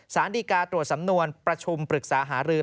สารดีกาตรวจสำนวนประชุมปรึกษาหารือ